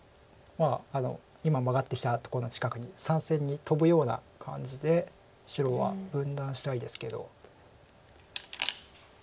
今マガってきたところの近くに３線にトブような感じで白は分断したいですけど。